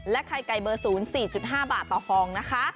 ไข่ไก่เบอร์๐๔๕บาทต่อฟองนะคะ